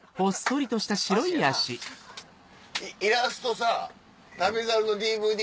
イラストさ『旅猿』のＤＶＤ